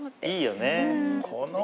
いいよね。